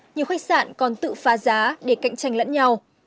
nhiều khách sạn còn tự phá giá để cạnh tranh lẫn nhau